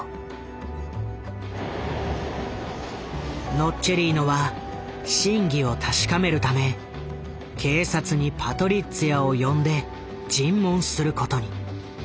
ノッチェリーノは真偽を確かめるため警察にパトリッツィアを呼んで尋問することに。